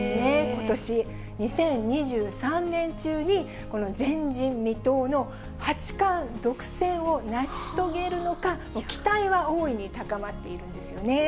ことし２０２３年中にこの前人未到の八冠独占を成し遂げるのか、期待は大いに高まっているんですよね。